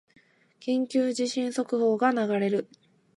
緊急地震速報が流れる